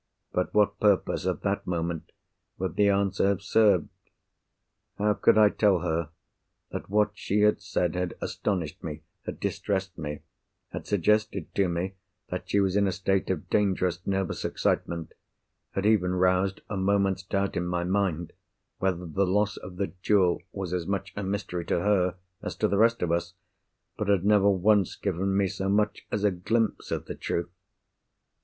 But what purpose, at that moment, would the answer have served? How could I tell her that what she had said had astonished me, had distressed me, had suggested to me that she was in a state of dangerous nervous excitement, had even roused a moment's doubt in my mind whether the loss of the jewel was as much a mystery to her as to the rest of us—but had never once given me so much as a glimpse at the truth?